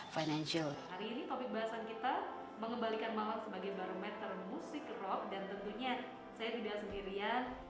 maksudnya saya tidak sendirian